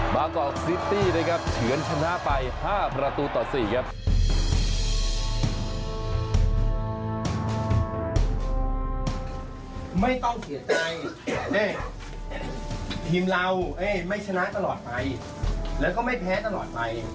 ไม่ต้องเสียใจทีมเราไม่ชนะตลอดไปแล้วก็ไม่แพ้ตลอดไป